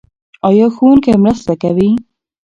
ایا ښوونکی مرسته کوي؟